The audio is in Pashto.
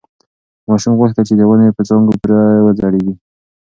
ماشوم غوښتل چې د ونې په څانګو پورې وځړېږي.